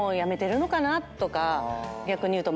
逆に言うと。